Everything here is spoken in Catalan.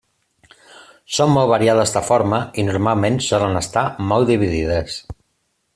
Són molt variades de forma i normalment solen estar molt dividides.